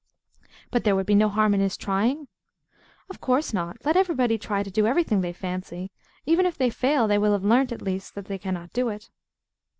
But there would be no harm in his trying? Of course not. Let everybody try to do everything they fancy. Even if they fail, they will have learnt at least that they cannot do it.